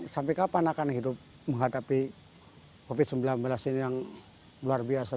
sampai kapan akan hidup menghadapi covid sembilan belas ini yang luar biasa